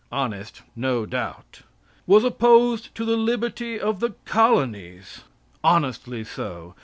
Honest, no doubt. Was opposed to the liberty of the colonies. Honestly so.